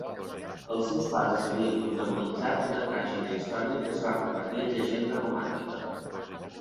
Els seus pares havien protagonitzat una tràgica història que es va convertir en llegenda romàntica.